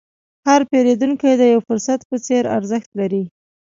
هر پیرودونکی د یو فرصت په څېر ارزښت لري.